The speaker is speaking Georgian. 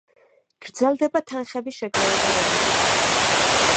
გრძელდება თანხების შეგროვება რემონტისათვის.